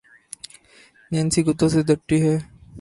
Nancy کتّوں سے درتی ہے